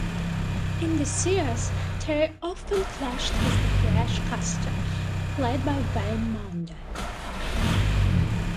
In the series Terry often clashed with the brash Custer, played by Wayne Maunder.